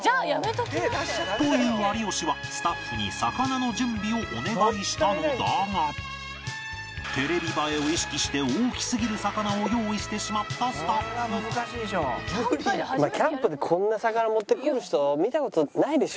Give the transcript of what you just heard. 言う有吉はスタッフに魚の準備をお願いしたのだがテレビ映えを意識して大きすぎる魚を用意してしまったスタッフキャンプでこんな魚持ってくる人見た事ないでしょ？